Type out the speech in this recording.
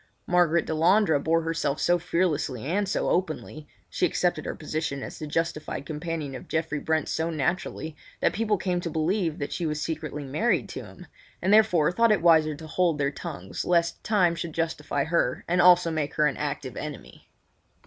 Margaret Delandre bore herself so fearlessly and so openly—she accepted her position as the justified companion of Geoffrey Brent so naturally that people came to believe that she was secretly married to him, and therefore thought it wiser to hold their tongues lest time should justify her and also make her an active enemy.